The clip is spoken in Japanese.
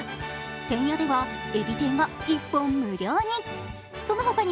てんやでは、えび天が１本無料に。